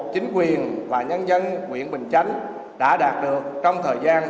chính quyền và nhân dân huyện bình chánh đã đạt được trong thời gian